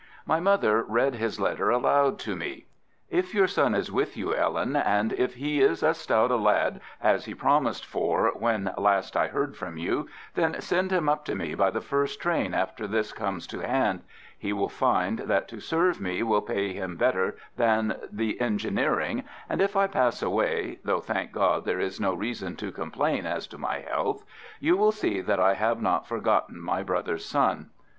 My mother read his letter aloud to me: "If your son is with you, Ellen, and if he is as stout a lad as he promised for when last I heard from you, then send him up to me by the first train after this comes to hand. He will find that to serve me will pay him better than the engineering, and if I pass away (though, thank God, there is no reason to complain as to my health) you will see that I have not forgotten my brother's son.